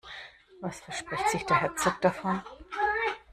Was verspricht sich der Herzog davon?